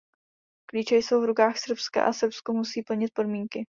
Klíče jsou v rukách Srbska a Srbsko musí splnit podmínky.